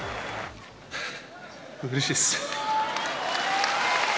うれしいです。